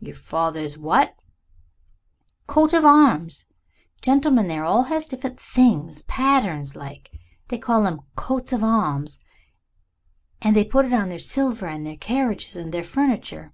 "Yer father's what?" "Coat of arms. Gentlemen there all has different things patterns like; they calls 'em coats of arms, and they put it on their silver and on their carriages and their furniture."